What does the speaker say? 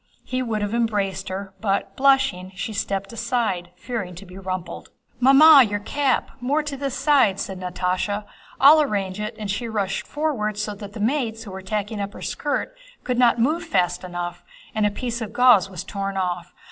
He would have embraced her but, blushing, she stepped aside fearing to be rumpled. "Mamma, your cap, more to this side," said Natásha. "I'll arrange it," and she rushed forward so that the maids who were tacking up her skirt could not move fast enough and a piece of gauze was torn off.